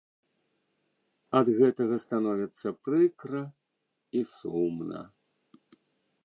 Ад гэтага становіцца прыкра і сумна.